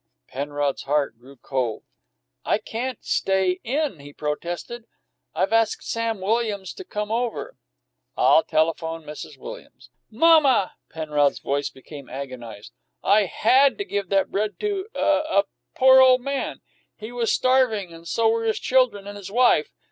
Penrod's heart grew cold. "I can't stay in," he protested. "I've asked Sam Williams to come over." "I'll telephone Mrs. Williams." "Mamma!" Penrod's voice became agonized. "I had to give that bread to a to a poor ole man. He was starving and so were his children and his wife.